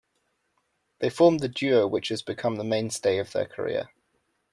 They formed the duo which has become the mainstay of their career.